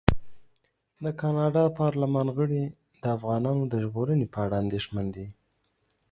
د کاناډا پارلمان غړي د افغانانو د ژغورنې په اړه اندېښمن دي.